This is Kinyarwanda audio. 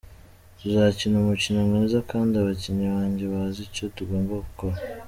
Tuzakina umukino mwiza kandi abakinnyi banjye bazi icyo tugomba gukora.